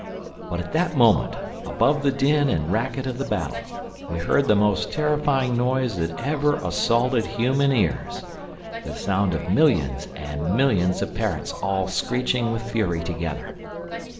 But at that moment, above the din and racket of the battle, we heard the most terrifying noise that ever assaulted human ears: the sound of millions and millions of parrots all screeching with fury together.